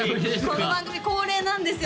この番組恒例なんですよ